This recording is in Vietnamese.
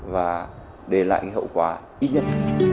và để lại hậu quả ít nhất